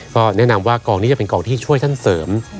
ก็แนะนำว่ากองนี้จะเป็นกองที่ช่วยท่านเสริม